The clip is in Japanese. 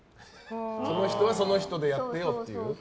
その人はその人でやってよっていう。